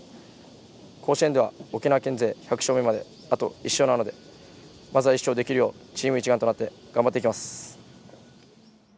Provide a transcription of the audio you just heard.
甲子園では沖縄県勢１００勝目まであと１勝なのでまずは１勝できるようチーム一丸となって頑張っていきます。